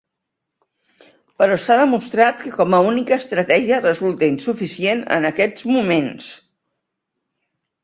Però s'ha demostrat que com única estratègia resulta insuficient en aquests moments.